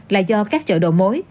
là do các chợ đồ mối